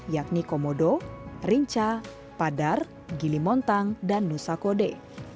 yakni komodo rinca padar gili montang dan nusa kode